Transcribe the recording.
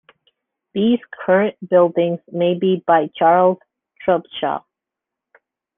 These current buildings may be by Charles Trubshaw.